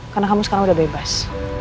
karena kamu sekarang udah bebas